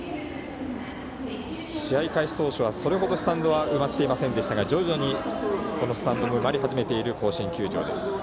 試合開始当初はそれほどスタンドは埋まっていませんでしたが徐々に、このスタンドも埋まり始めている甲子園球場です。